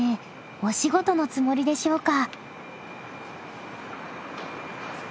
お仕事のつもりでしょうか？